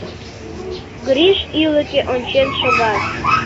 Гриш ӱлыкӧ ончен шога.